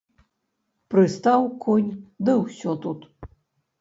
Прыстаў конь, ды ўсё тут.